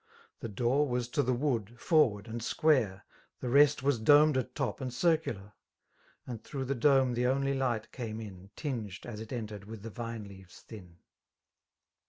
The door was to the wood, forward, and square^ The rest was domed at top> and circular ; And through the dome the only light came in. Tinged^ as it entered^ with the vine leaves thin.